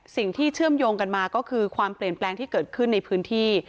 เชื่อมโยงกันมาก็คือความเปลี่ยนแปลงที่เกิดขึ้นในพื้นที่